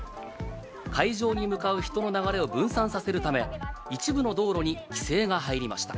会場に向かう人の流れを分散させるため、一部の道路に規制が入りました。